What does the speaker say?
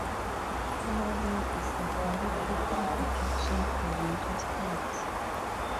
Norway is a very popular attraction for winter sports.